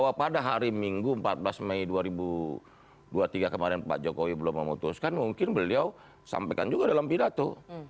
karena hari minggu empat belas mei dua ribu dua puluh tiga kemarin pak jokowi belum memutuskan mungkin beliau sampaikan juga dalam pidato